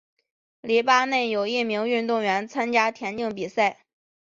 黎巴嫩有一名运动员参加田径比赛。